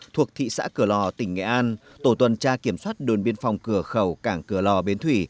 thuộc thị xã cửa lò tỉnh nghệ an tổ tuần tra kiểm soát đồn biên phòng cửa khẩu cảng cửa lò bến thủy